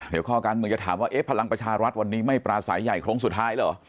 เดี๋ยวข้อการเมืองจะถามว่าเอ๊ะพลังประชารัฐวันนี้ไม่ปราศัยใหญ่โค้งสุดท้ายเหรอ